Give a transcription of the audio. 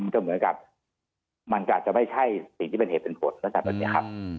ก็เหมือนกับมันก็อาจจะไม่ใช่สิ่งที่เป็นเหตุเป็นผลลักษณะแบบนี้ครับ